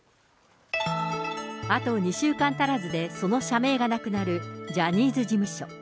あと２週間足らずでその社名がなくなるジャニーズ事務所。